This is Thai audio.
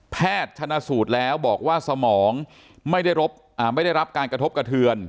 แพทย์ชนะสูตรแล้วบอกว่าสมองไม่ได้รบอ่าไม่ได้รับการกระทบกระเทือน